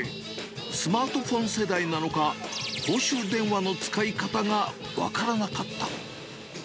スマートフォン世代なのか、公衆電話の使い方が分からなかった。